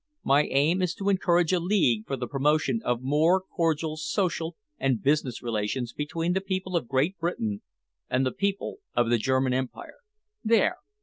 My aim is to encourage a league for the promotion of more cordial social and business relations between the people of Great Britain and the people of the German Empire. There!